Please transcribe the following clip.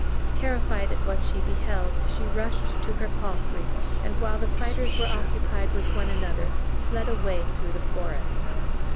Terrified at what she beheld, she rushed to her palfrey, and, while the fighters were occupied with one another, fled away through the forest.